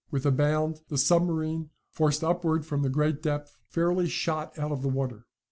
With a bound the submarine, forced upward from the great depth, fairly shot out of the water.